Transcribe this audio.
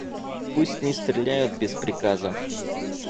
Пусть не стреляют без приказа.